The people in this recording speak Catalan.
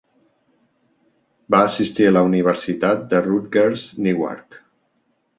Va assistir a la Universitat de Rutgers-Newark.